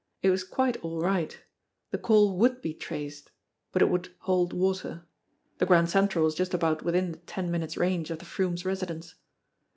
It was quite all right. The call would be traced but it would "hold water." The Grand Central was just about within a ten minute range of the Froomes' residence.